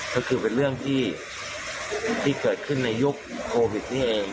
ก็คือเป็นเรื่องที่เกิดขึ้นในยุคโควิดนี่เอง